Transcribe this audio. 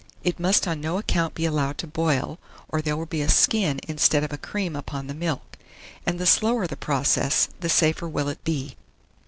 It must on no account be allowed to boil, or there will be a skin instead of a cream upon the milk; and the slower the process, the safer will it be.